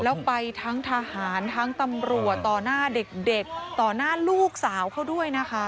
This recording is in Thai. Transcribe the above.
แล้วไปทั้งทหารทั้งตำรวจต่อหน้าเด็กต่อหน้าลูกสาวเขาด้วยนะคะ